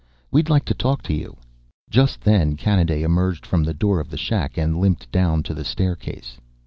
"We'd like to talk to you." Just then Kanaday emerged from the door of the shack and limped down to the staircase.